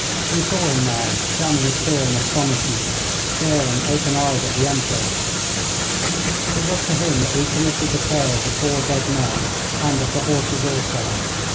We saw him now, dumb with fear and astonishment, staring open eyed at the Emperor. It was to him that we committed the care of the four dead men and of the horses also.